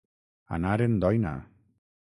Anar en doina.